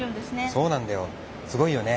そうなんだよすごいよね。